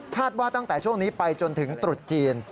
ว่าตั้งแต่ช่วงนี้ไปจนถึงตรุษจีน